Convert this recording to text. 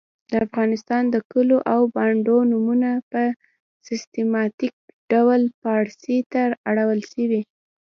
د افغانستان د کلو او بانډو نومونه په سیستماتیک ډول پاړسي ته اړول سوي .